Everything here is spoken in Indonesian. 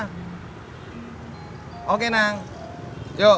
hai oke nang yuk